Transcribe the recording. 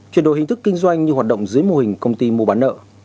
chuyển đổi hình thức kinh doanh như hoạt động dưới mô hình công ty mua bán nợ